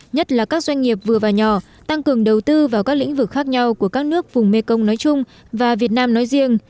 nhất là các doanh nghiệp vừa và nhỏ tăng cường đầu tư vào các lĩnh vực khác nhau của các nước vùng mekong nói chung và việt nam nói riêng